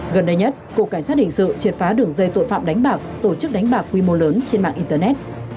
gần đây nhất cục cảnh sát hình sự triệt phá đường dây tội phạm đánh bạc tổ chức đánh bạc quy mô lớn trên mạng internet